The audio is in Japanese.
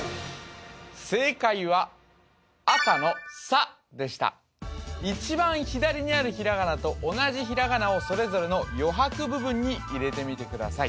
正解は赤の「さ」でした一番左にあるひらがなと同じひらがなをそれぞれの余白部分に入れてみてください